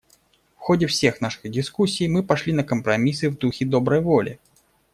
В ходе всех наших дискуссий мы пошли на компромиссы в духе доброй воли.